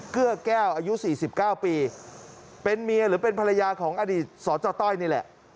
เกื้อแก้วอายุ๔๙ปีเป็นเมียหรือเป็นภรรยาของอดีตสจต้อยนี่แหละ